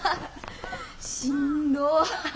しんどっ！